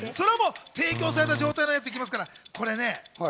提供された状態のやつでいきますから。